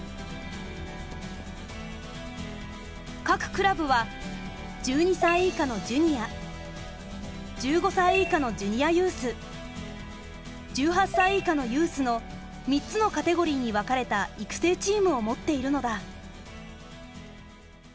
各クラブは１２歳以下のジュニア１５歳以下のジュニアユース１８歳以下のユースの３つのカテゴリーに分かれた育成チームを持っているのだ。